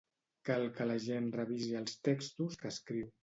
Cal que la gent revisi els textos que escriu.